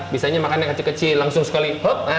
bisanya makannya kecil kecil langsung sekali